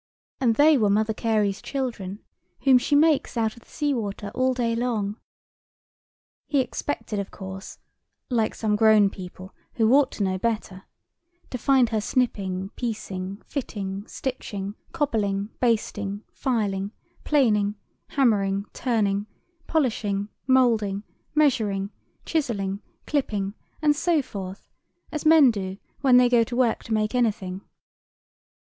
And they were Mother Carey's children, whom she makes out of the sea water all day long. [Picture: Mother Carey] He expected, of course—like some grown people who ought to know better—to find her snipping, piecing, fitting, stitching, cobbling, basting, filing, planing, hammering, turning, polishing, moulding, measuring, chiselling, clipping, and so forth, as men do when they go to work to make anything.